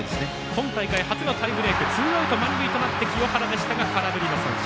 今大会初のタイブレークツーアウト、満塁で清原でしたが空振りの三振。